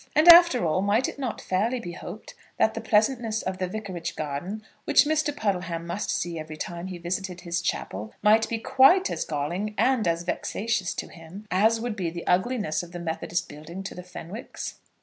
And, after all, might it not fairly be hoped that the pleasantness of the Vicarage garden, which Mr. Puddleham must see every time he visited his chapel, might be quite as galling and as vexatious to him as would be the ugliness of the Methodist building to the Fenwicks?